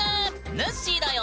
ぬっしーだよ。